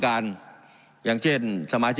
การปรับปรุงทางพื้นฐานสนามบิน